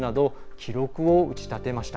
記録を打ち立てました。